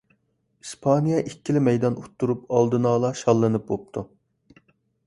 ئىسپانىيە ئىككىلا مەيدان ئۇتتۇرۇپ ئالدىنئالا شاللىنىپ بوپتۇ.